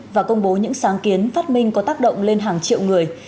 và công bố những sáng kiến phát minh có tác động lên hàng triệu người